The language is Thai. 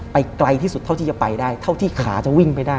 ไกลที่สุดเท่าที่จะไปได้เท่าที่ขาจะวิ่งไปได้